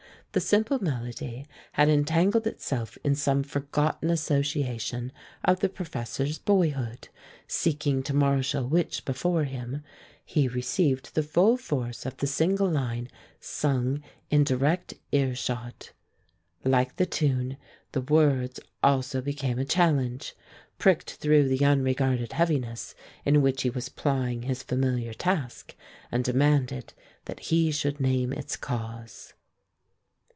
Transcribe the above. The simple melody had entangled itself in some forgotten association of the professor's boyhood, seeking to marshal which before him, he received the full force of the single line sung in direct ear shot. Like the tune, the words also became a challenge; pricked through the unregarded heaviness in which he was plying his familiar task, and demanded that he should name its cause.